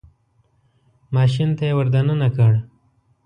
ماشین ته یې ور دننه کړ.